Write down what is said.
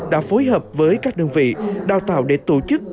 đã phối hợp với các đơn vị đào tạo để tổ chức các chương trình